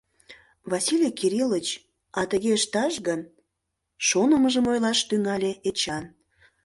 — Василий Кирилыч, а тыге ышташ гын, — шонымыжым ойлаш тӱҥале Эчан.